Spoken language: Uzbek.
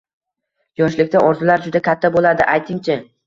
– Yoshlikda orzular juda katta bo‘ladi. Ayting-chi